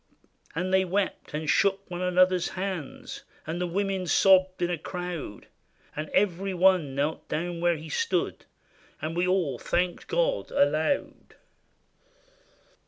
And they wept, and shook one another's hands. And the women sobbed in a crowd ; And every one knelt down where he stood, And we all thanked God aloud.